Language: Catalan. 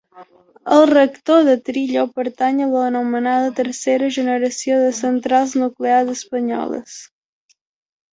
El reactor de Trillo pertany a l'anomenada tercera generació de centrals nuclears espanyoles.